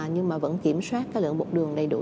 nhưng mà vẫn kiểm soát cái lượng bột đường đầy đủ